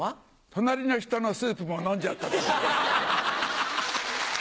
隣の人のスープも飲んじゃった時です。